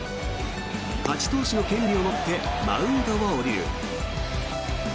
勝ち投手の権利を持ってマウンドを降りる。